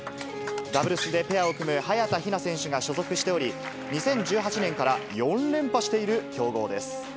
ダブルスでペアを組む早田ひな選手が所属しており、２０１８年から４連覇している強豪です。